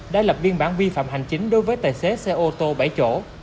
đã lập biên bản vi phạm hành chính đối với tài xế xe ô tô bảy chỗ